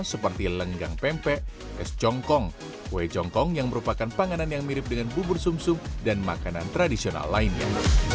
seperti lenggang pempek es congkong kue congkong yang merupakan panganan yang mirip dengan bubur sum sum dan makanan tradisional lainnya